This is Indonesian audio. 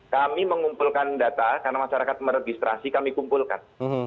kami mengumpulkan data karena masyarakat meregistrasi kami kumpulkan